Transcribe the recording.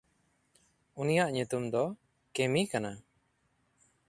ᱩᱱᱤᱭᱟᱜ ᱧᱩᱛᱩᱢ ᱫᱚ ᱠᱮᱢᱭ ᱠᱟᱱᱟ᱾